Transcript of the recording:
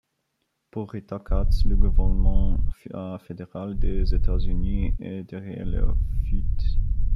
Pour Rita Katz, le gouvernement fédéral des États-Unis est derrière la fuite.